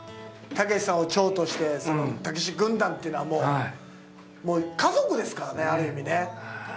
たけしさんを長として、たけし軍団というのはもう家族ですからね、ある意味ね。